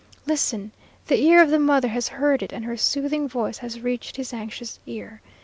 Listen! The ear of the mother has heard it, and her soothing voice has reached his anxious ear.